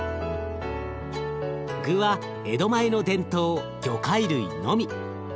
具は江戸前の伝統魚介類のみ。